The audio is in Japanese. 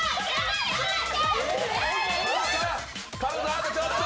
あとちょっと！